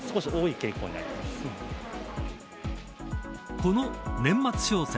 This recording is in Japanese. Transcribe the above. この年末商戦。